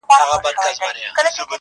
o او ستا د خوب مېلمه به.